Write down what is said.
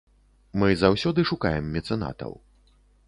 Мы заўсёды шукаем мецэнатаў.